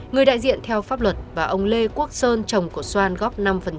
người đại diện theo pháp luật và ông lê quốc sơn chồng của xoan góp năm